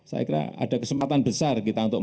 saya kira ada kesempatan besar kita untuk